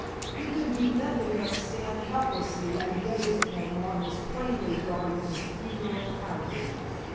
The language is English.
He could do nothing but stand helplessly and gaze upon what was plainly Garvington's funeral pyre.